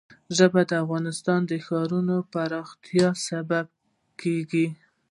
ژبې د افغانستان د ښاري پراختیا سبب کېږي.